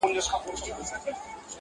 زاړه به ځي نوي نسلونه راځي؛